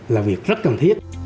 là việc rất cần thiết